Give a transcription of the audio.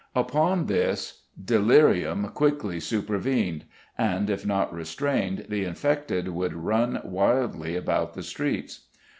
Upon this delirium quickly supervened, and if not restrained the infected would run "wildly about the streets."